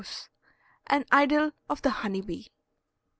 AN IDYL OF THE HONEY BEE.